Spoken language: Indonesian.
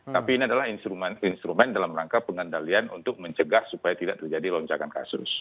tapi ini adalah instrumen dalam rangka pengendalian untuk mencegah supaya tidak terjadi lonjakan kasus